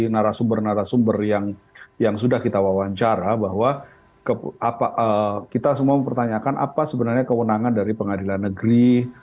narasumber narasumber yang sudah kita wawancara bahwa kita semua mempertanyakan apa sebenarnya kewenangan dari pengadilan negeri